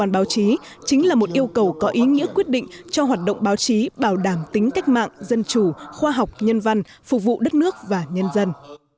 báo chí bảo đảm tính cách mạng dân chủ khoa học nhân văn phục vụ đất nước và nhân dân